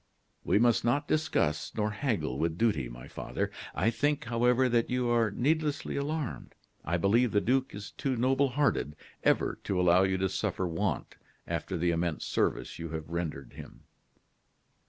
"We must not discuss nor haggle with duty, my father. I think, however, that you are needlessly alarmed. I believe the duke is too noble hearted ever to allow you to suffer want after the immense service you have rendered him."